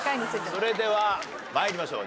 それでは参りましょう。